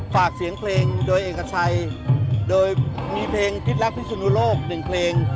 ฝากเสียงเพลงโดยเอกชัยโดยมีเพลงทิศลักษณุโลก๑เพลง